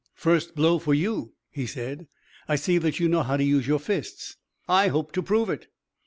"First blow for you," he said. "I see that you know how to use your fists." "I hope to prove it."